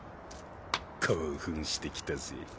興奮してきたぜ。